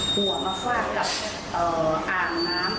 หัวมาฟาดกับอ่างน้ำ